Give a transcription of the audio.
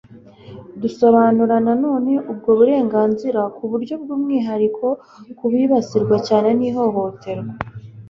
dusobanura nanone ubwo burenganzira ku buryo bw'umwihariko, ku bibasirwa cyane n'ihohoterwa